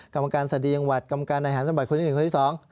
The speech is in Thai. กรรมการสดียังวัดกรรมการอาหารสมบัติคนหนึ่งคนที่สอง